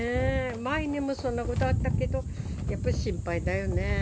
前にもそんなことあったけど、やっぱ心配だよねぇ。